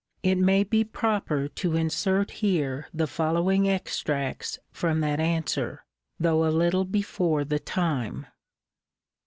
It may be proper to insert here the following extracts from that answer, though a little before the time.